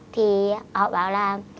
thì họ bảo là